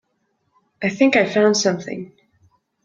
I think I found something.